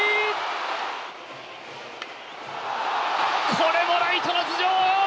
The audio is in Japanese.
これもライトの頭上！